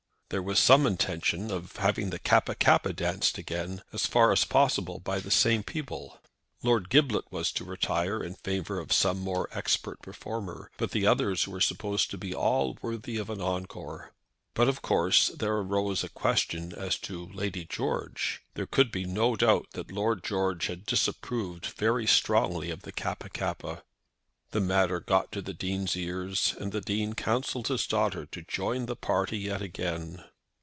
There was some intention of having the Kappa kappa danced again, as far as possible by the same people. Lord Giblet was to retire in favour of some more expert performer, but the others were supposed to be all worthy of an encore. But of course there arose a question as to Lady George. There could be no doubt that Lord George had disapproved very strongly of the Kappa kappa. The matter got to the Dean's ears, and the Dean counselled his daughter to join the party yet again.